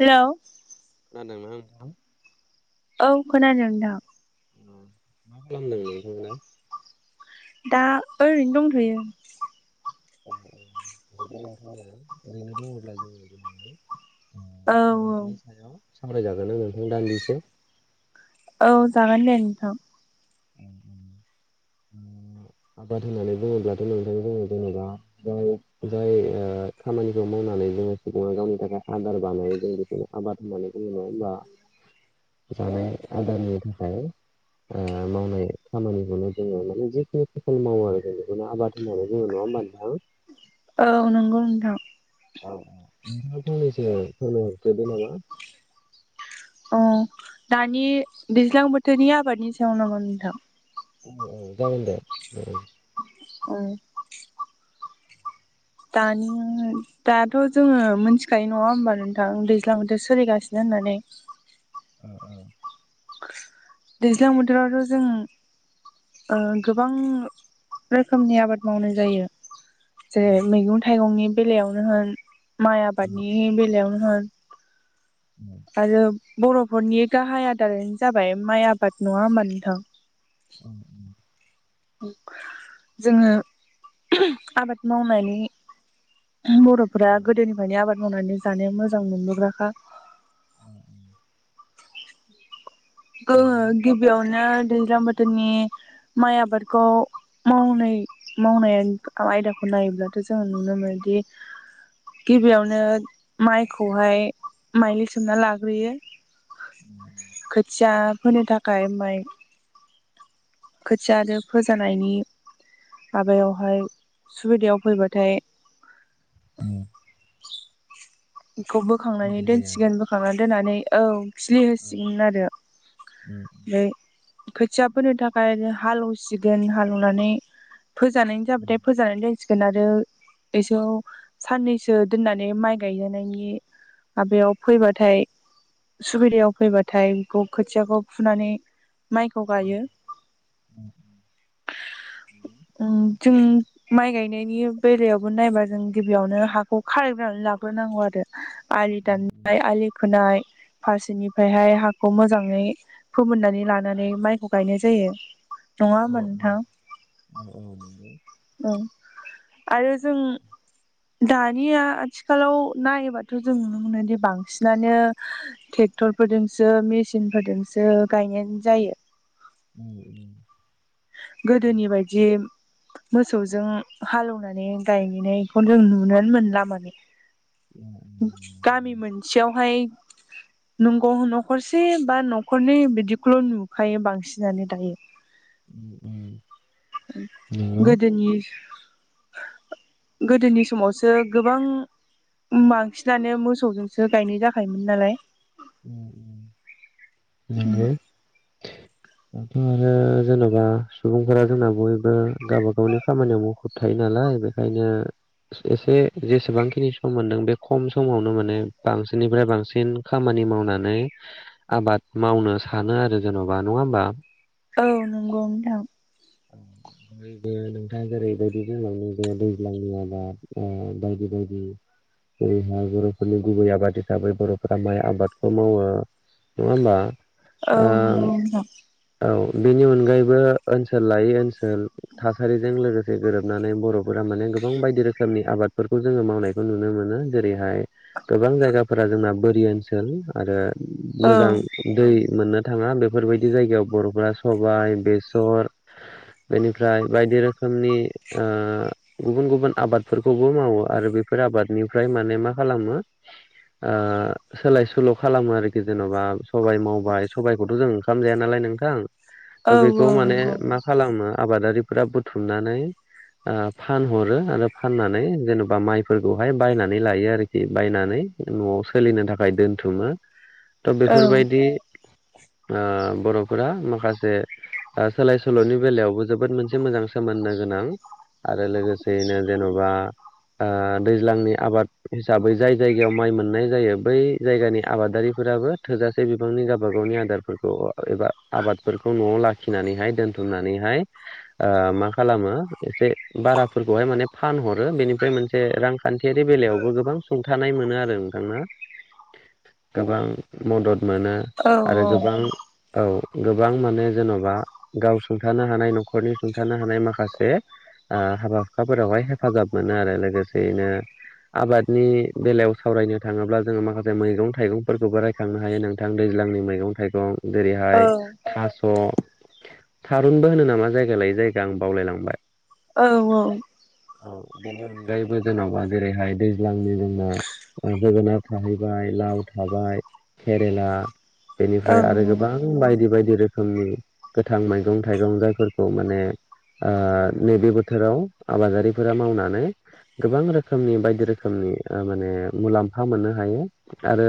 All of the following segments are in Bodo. हेल'। नादोंना नोंथां। औ खोनादों नोंथां। मा खालामदों नोंथांङा? दा ओरैनो दंथ'यो। [inaudible] औ आबादनि औ सायाव सावरायजागोनना नोंथां दान्दिसे? औ जागोन दे नोंथां। [inaudible] आबाद होननानै बुङोब्लाथ' नोंथां बुङो जेनेबा ओ जाय ओ खामानिखौ मावनानै। नानै जोङो सुबुङा गावनि थाखाय आदार‌ बानायो जों बेखौनो आबाद‌ होन्नानै बुङो नङा होनबा? जानाय आदारनि थाखाय आ मावनाय खामानिखौनो जोङो माने जिखिनि फसल मावो आरो जों बेखौनो आबाद होननानै बुङो नङा होमबा नोंथां। [inaudible] औ नंगौ नोंथां। औ औ नोंथाङा फंनोसै आरो फोरमाय हरथ'दो नामा। औ दानि दैज्लां बोथोरनि आबादनि सायाव नांगौ नोंथां? जागोन दे ओ। ओ। दानि दाथ' जोङो मोनथिखायो नङा होमबा नोंथां दैज्लां बोथोर सोलिगासिनो। होननानै। ओऔ दैज्लां बोथोरावथ' जों। ओ गोबां रोखोमनि आबाद मावनाय जायो। जेरै मैगं थाइगंनि बेलायावनो होन माइ ओ आबादनि बेलायावनो होन। ओ आरो बर'फोरनि गाहाय आदारानो जाबाय माइ आबाद नङा होनबा नोंथां। ओ। जोङो आबाद मावनानै बर'फोरा गोदोनिफ्रायनो आबाद मावनानै जानो मोजां मोनबोग्राखा। [inaudible] गो नंगौ गिबियावनो दैज्लां बोथोरनि माइ आबादखौ मावनाय मावनाय आयदाखौ नायोब्लाथ' जोङो नुनो मोनो। दि गिबियावनो माइखौहाय माइलि सोमना लाग्रोयो। [inaudible] जा फोनो थाखाय माइ खोथियादो फोजानायनि माबायावहाय सुबिदायाव फैबाथाय उम। बेखौ बोखांनानै होनाय जायो दोनसिगोन बोखांनानै दोननानै औ आरो फ्लिहोसिगोन आरो। औ उम हे खोथिया फोनो थाखाय हालेवसिगोन हालेवनानै फो जानाय उम जाबायथाय फोजानानै सिगोन आरो एस साननैसो दोननानै माइ गायनानायनि माबयाव फैबाथाय सुबिदायाव फैबाथाय ग खोथियाखौ फुनानै माइखौ गायो उम जों माइ गायनायनि बेलायावबो नायबा जों गिबियावनो हाखौ खारायग्रोनानै लाग्रोनांगौ आरो आलि दाननाय आलि खोनाय फारसेनिफ्रायहाय हाखौ मोजाङै फोमोननानै लानानै माइखौ गायनाय जायो। नङा होमबा उम उम नोंथां औ औ नंगौ। औ आरो जों दानिया आथिखालाव नायोबाथ' जों नुनो मोनोदि बांसिनानो थे क्टर फोरजोंसो मेसिन फोरजोंसो गायनाय जायो। उम गोदोनि बायदि मोसौजों हालेवनानै गायनायखौ जों नुनोनो मोनला माने उम गामि मोनसेयावहाय नंगौ न'खरसे बा न'खरनै बिदिखौल' नुखायो बांसिनानो दायो। उम उम नंगौ गोदोनि [inaudible] गोदोनि समावसो गोबां बांसिनानो मोसौजोंसो गायनाय जाखायोमोन नालाय। उम नंगौ। दाथ' आरो जेन'बा सुबुंफोरा जोंना बयबो गावबा गावनि खामानियाव मुखुब थायो नालाय खाय बेखायनो एसे-से जेसेबांखिनि सम मोनदों बे खम समावनो माने बांसिननिफ्राय बांसिन खामा- नि मावनानै आबाद मावनो सानो आरो जेन'बा नङा होमबा औ नंगौ नोंथां औ नैबे नोंथाङा जेरैबायदि बुंलांदों जे दैज्लांनि आबाद अ बायदि-बायदि जेरैहाय बर'फोरनि गुबै आबाद हिसाबै बर'फोरा माइ आबादखौ मावो नङा होमबा। औ ओ नंगौ नोंथां औ बेनि अनगायैबो ओनसोल लायै ओनसोल थासारिजों लोगोसे गोरोबनानै बर'फोर माने गोबां बायदि रोखोमनि आबादफोरखौ जोङो मावनायखौ नुनो मोनो जेरैहाय गोबां जायगाफोरा जों ना बोरि ओनसोल आरो औ मोजां दै मोननो थाङा बेफोरबायदि जायगायाव बर'फ्रा सबाय बेसर बेनिफ्राय बायदि रोखोमनि अ गुबुन-गुबुन आबादफोरखौबो मावो आरो बेफोर आबादनिफ्राय माने मा खालामो अ सोलाय सोल' खालामो आरोखि जेन'बा सबाइ मावबाय सबाइखौथ' जों ओंखाम जाया नालाय नों थां औ थ' बेखौ औ माने नंगौ मा खालामो आबादारिफोरा बुथुमनानै आ फानहरो आरो फाननानै जेनेबा माइफोरखौहाय बायनानै लायो आरोखि बायनानै न'आव सोलिनो थाखाय दोनथुमो थ' औ बेफोरबायदि ओ बर' फोरा माखासे ओ सोलाय सोल'नि बेलायावबो जोबोद मोनसे मोजां सोमोन्दो गोनां। आरो लोगोसेयैनो जेन'बा ओ दैज्लांनि आबाद हिसाबै जाय जायगायाव माइ मोननाय जायो बै जायगानि आबादारिफोर फोराबो थोजासे बिबांनि गावबा गावनि आदारफोरखौ एबा आबादफोरखौ न'आव लाखिनानैहाय दोनथुमनानैहाय ओ मा खालामो एसे बाराफोरखौहाय माने फानहरो बेनिफ्राय मोनसे रां खान्थियारि बेलायावबो गोबां सुंथानाय मोनो आरो नोंथां ना गोबां मदद। मोनो औ आरो औ। गोबां औ गोबां माने जेन'बा गाव सुंथानो हानाय न'खरनि सुंथानो हानाय माखासे ओ हाबा हुखाफोरावहाय हेफाजाब मोनो आरो लोगोसेयैनो आबादनि बेलायाव सावरायनो थाङोब्ला जोङो माखासे मैगं थाइगंफोरखौबो रायखांनो हायो नोंथां दैज लांनि मैगं थाइगं औ जेरैहाय थास' थारुनबो होनो नामा जायगा लायै जायगा आं बावलायलांबाय औ-औ औ बेनि अनगायैबो जेनेबा जेरैहाय दैज्लांनि जोंना ओ जोगोनार थाहैबाय लाव थाबाय केेरेला बेनिफ्राय आरो औ गोबां बायदि बायदि रोखोमनि गोथां मैगं थाइगं जायफोरखौ माने ओ नैबे बोथोराव आबादारिफोरा मावनानै गोबां रोखोमनि बायदि रोखोमनि ओ माने मुलाम्फा मोननो हायो आरो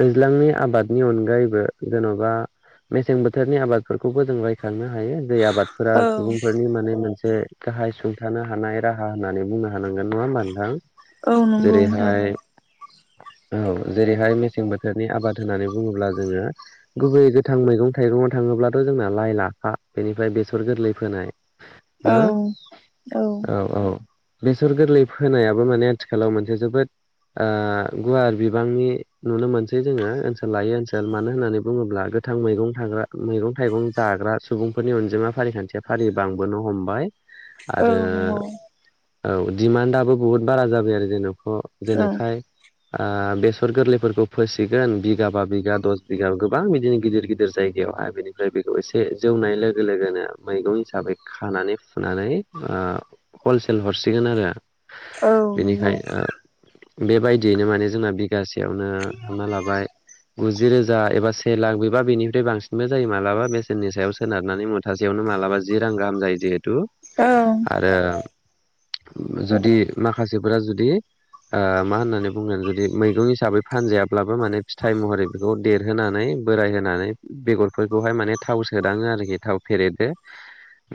दैज्लांनि आबादनि अनगायैबो जेन'बा मेसें बोथोरनि आबादफोरखौबो जों रायखांनो हायो जे आबादफोरा औ सुबुंफोरनि माने मोनसे। से गाहाय सुंथानो हानाय राहा होननानै बुंनो हानांगोन नङा होमबा नोंथां औ नंगौ नोंथां जेरैहाय औ जेरैहाय मेसें बोथोरनि आबाद होननानै बुङोब्ला जोङो गुबै गो थां मैगं थाइगंङाव थाङोब्लाथ' जोंना लाइ लाखा बेनिफ्राय बेसर गोरलै फोनाय ना औ औ औ बेसर गोरलै फोनायाबो माने आथिखालाव मोनसे जोबोद ओ गुवार बिबांनि नुनो मोनसै जोङो ओनसोल लायो ओनसोल मानो होननानै बुङोब्ला गो थां मैगं थाग्रा मैगं थाइगं जाग्रा सुबुंफोरनि अनजिमा फारिखान्थिया फारि बांबोनो हमबाय औ आरो नंगौ औ दिमान्डआबो बुहुत बारा जाबाय आरो जेन'ख औ जेनेखाय आ बेसर गोरलैफोरखौ फोसिगोन बिगा बा बिगा दस बिगा गोबां बिदिनो गिदिर गिदिर जायगायावहाय बेनिफ्राय बेखौ एसे जौनाय लोगो लोगोनो मैगं हिसाबै खानानै फु नानै ओ हलसेल हरसिगोन आरो औ नंगौ बेनिखाय बेबायदियैनो माने जोंना बिगासेयावनो हमना लाबाय गुजि रोजा एबा से लाख बे बा बिनिफ्राय बांसिनबो जायो माब्लाबा बेसेननि सायाव सोनारनानै मुथासेयावनो मालाबा जि रां गाहाम जायो जिहेथु औ आरो जुदि माखासेफोरा जुदि ओ मा होननानै बुंगोन जुदि मैगं हिसाबै फानजायाब्लाबो माने फिथाइ महरै बेखौ देरहोनानै बोराय हो नानै बेगरफोरखौहाय माने थाव सोदाङो आरोखि थाव फेरेननो।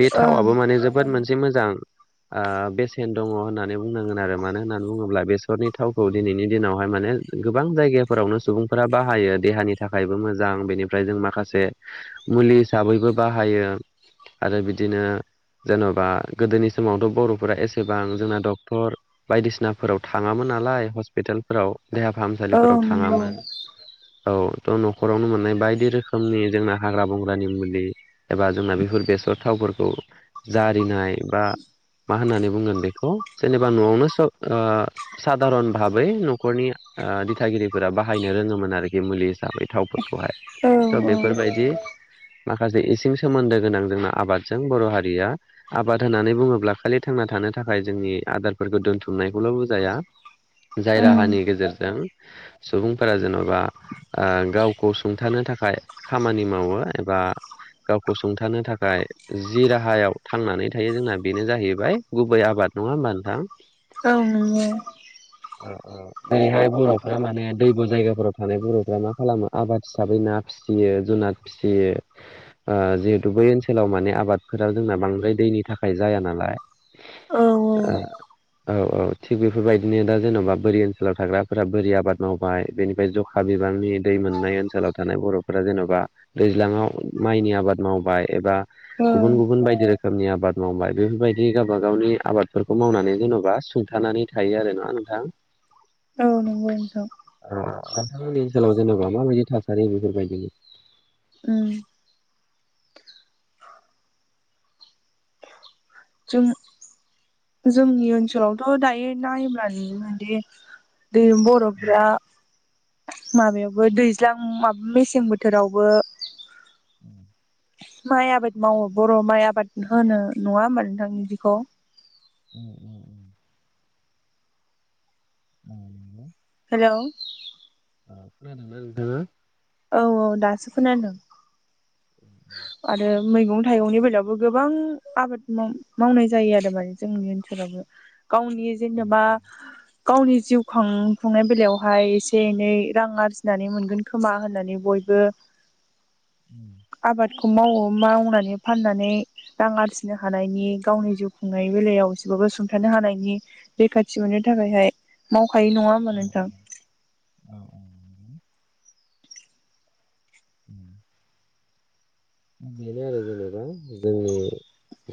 बे ओं थावाबो माने जोबोद मोनसे मोजां। ओ बेसेन दङ होननानै बुंनांगोन आरो मानो होननानै बुङोब्ला बेसरनि थावखौ दिनैनि दिनावहाय माने [unintelligible] गोबां जायगाफोरावनो सुबुंफोरा बाहायो देहानि थाखायबो मोजां बेनिफ्राय जों माखासे मुलि हिसाबैबो बाहायो आरो बिदिनो। जेन'बा गोदोनि समावथ' बर'फोरा एसेबां जोंना डक्टर बायदिसिनाफोराव थाङामोन। नालाय हस्पिटालफोराव देहा औ फाहामसालिफोराव नंगौ थाङामोन औ थ' न'खरावनो मोननाय बायदि रोखोमनि जोंना हाग्रा बंग्रानि मुलि एबा जोंना बेफोर बेसर थावफोर औ जारिनाय बा। मा होननानै बुंगोन बेखौ जेनेबा न'आवनो स ओ साधारन भाबै न'खरनि। ओ दिथागिरिफोरा बाहायनो रोङोमोन आरोखि मुलि हिसाबै थावफोरखौहाय। औ द औ बेफोर बायदि। माखासे इसिं सोमोन्दो गोनां जोंहा आबादजों बर' हारिया आबाद होननानै बुंङोब्ला खालि थांना था थानो थाखाय जोंनि आदारफोरखौ दोनथुमनायखौल' बुजाया। जाय ओम राहानि गेजेरजों सुबुंफोरा जेन'बा ओ गावखौ सुं थानो थाखाय खामानि मावो एबा गावखौ सुंथानो थाखाय जि राहायाव थांनानै थायो जोंना बेनो जाहैबाय गुबै आबाद। नङा होमबा नोंथां? औ नोंगौ। ओ ओ जेरैहाय बर'फ्रा माने दैब' जायगाफोराव थानाय बर'फ्रा मा खालामो आबाद हिसाबै ना फिसियो जुनाद फिसियो ओ जिहेतु बै ओनसोलाव माने आबादफोरा जों जोंना बांद्राय दैनि थाखाय जाया नालाय औ ओ औ औ थिग बेफोरबायदिनो दा जेन'बा बोरि ओनसोलाव थाग्राफोरा बोरि आबाद मावबाय बेनिफ्राय जखा बिबांनि दै मोननाय ओनसोलाव थानाय बर'फोरा जेन'बा दैज्लाङाव माइनि आबाद मावबाय एबा औ गुबुन गुबुन बायदि रोख रोखोमनि आबाद मावबाय बेफोरबायदि गाबा गावनि आबादफोरखौ मावनानै जेन'बा सुंथानानै थायो आरो ना। नोंथां ओ औ नंगौ नोंथां नोंथांमोननि ओनसोलाव जेनेबा माबायदि थासारि बेफोरबायदिनो। उम जों जोंनि ओनसोलावथ' दायो नायोब्ला नुयोमोनदि दि बर'फ्रा माबायावबो दैज्लां माब मेसें बोथोरावबो माइ आबाद मावो बर' माइ आबाद होनो नङा होमबा नोंथां इदिखौ? उ उ उ। हेलौ। खोनादोंना नोंथांङा? औ औ दासो खोनादों। [inaudible] आरो मैगं थाइगंनि बेलायावबो गोबां आबाद माव-मावनाय जायो आरो माने जोंनि ओनसोलावबो। गावनि जेनोबा गावनि जिउ खां खुंनाय बेलायावहाय एसे एनै रां आरजिनानै मोनगोन खोमा होननानै बय बयबो उ आबादखौ मावो मावनानै फाननानै रां आरजिनो हानायनि गावनि जिउ खुंनाय बेला याव एसेबाबो सुंथानो हानायनि रैखाथि मोननो थाखायहाय। मावखायो नङा होमबा नोंथां? औ औ नंगौ। बेनो आरो जेन'बा जोंनि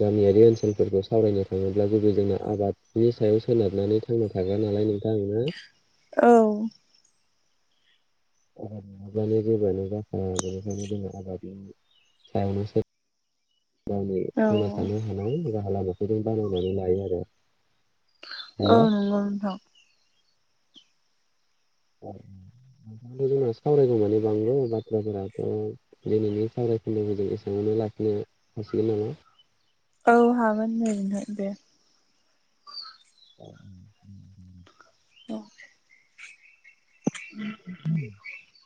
गामियारि ओनसोलफोरखौ सावरायनो थाङोब्ला गुबै जोंना आबादनि सायाव सोनारनानै थांना थागोन। [unintelligible] औ [inaudible] सायावनो सो नानै औ थांना थानो हानाय राहा लामाखौ जों बानायनानै लायो आरो। औ नंगौ नोंथां। [inaudible] [inaudible] लाखिनो हासिगोन नामा? औ हागोन दे नोंथां दे। [inaudible] औ। [inaudible]